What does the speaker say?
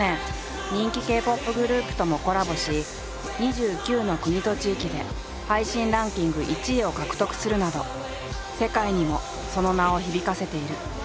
ＰＯＰグループともコラボし２９の国と地域で配信ランキング１位を獲得するなど世界にもその名を響かせている。